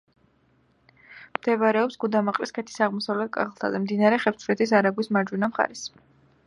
მდებარეობს გუდამაყრის ქედის აღმოსავლეთ კალთაზე, მდინარე ხევსურეთის არაგვის მარჯვენა მხარეს.